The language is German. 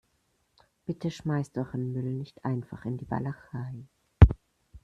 Bitte schmeißt euren Müll nicht einfach in die Walachei.